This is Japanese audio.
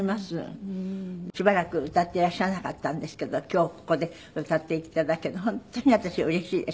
しばらく歌っていらっしゃらなかったんですけど今日ここで歌って頂けるの本当に私うれしいです。